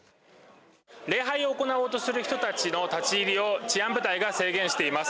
礼拝を行おうとする人たちの立ち入りを治安部隊が制限しています。